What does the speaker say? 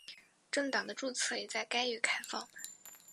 政党的注册也在该月开放。